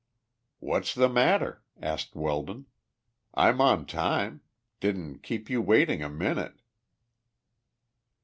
"What's the matter?" asked Weldon. "I'm on time. Didn't keep you waiting a minute?"